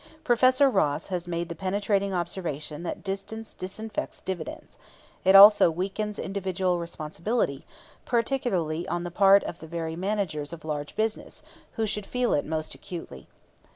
Professor Ross has made the penetrating observation that "distance disinfects dividends"; it also weakens individual responsibility, particularly on the part of the very managers of large business, who should feel it most acutely.